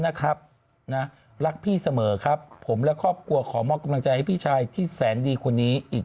นะครับนะรักพี่เสมอครับผมและครอบครัวขอมอบกำลังใจให้พี่ชายที่แสนดีคนนี้อีก